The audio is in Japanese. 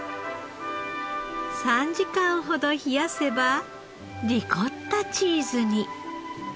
３時間ほど冷やせばリコッタチーズに。